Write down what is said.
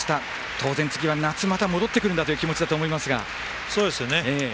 当然、また次は夏に戻ってくるんだという気持ちだと思いますが。